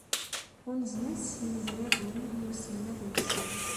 Unzen-as yimezrawen i uselmad-nsen.